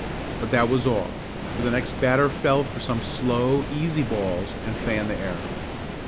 But that was all, for the next batter fell for some slow, easy balls and fanned the air.